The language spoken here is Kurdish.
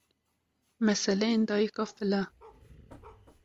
meseleyên Dayika File